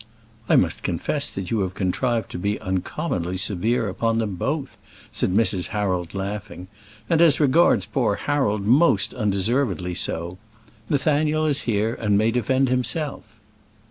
"I must confess that you have contrived to be uncommonly severe upon them both," said Mrs. Harold, laughing; "and as regards poor Harold, most undeservedly so: Nathaniel is here, and may defend himself."